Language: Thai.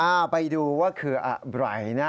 ไปดูว่าคืออะไรนะ